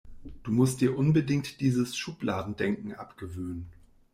Du musst dir unbedingt dieses Schubladendenken abgewöhnen.